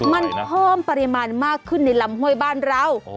มันเพิ่มปริมาณมากขึ้นในลำห้วยบ้านเรา